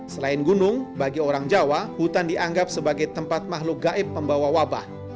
selain gunung bagi orang jawa hutan dianggap sebagai tempat makhluk gaib membawa wabah